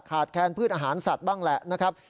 แคนพืชอาหารสัตว์บ้างแหละนะครับ